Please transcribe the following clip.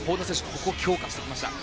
ここを強化してきました。